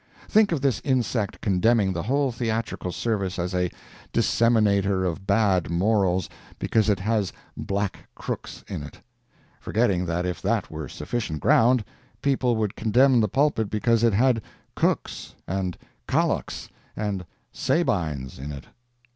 Think of this insect condemning the whole theatrical service as a disseminator of bad morals because it has Black Crooks in it; forgetting that if that were sufficient ground, people would condemn the pulpit because it had Cooks, and Kallochs, and Sabines in it.